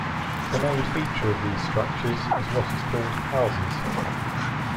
The main feature of these structures is what is called 'houses'.